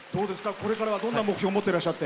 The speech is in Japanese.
これからはどんな目標を持っていらっしゃって。